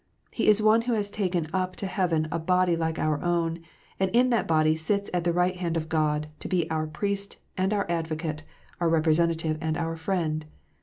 He is One who has taken up to heaven a body like our own ; and in that body sits at the right hand of God, to be our Priest and our Advocate, our Representative and our Friend.